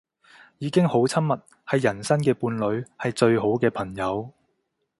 已經好親密，係人生嘅伴侶，係最好嘅朋友